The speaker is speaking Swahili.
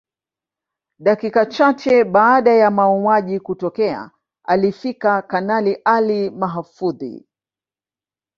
Dakika chache baada ya mauaji kutokea alifika Kanali Ali Mahfoudhi